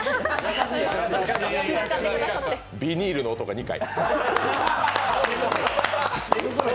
ビニールの音が２回。